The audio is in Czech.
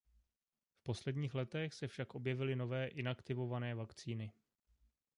V posledních letech se však objevily nové inaktivované vakcíny.